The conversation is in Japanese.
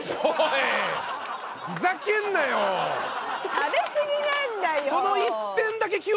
食べ過ぎなんだよ。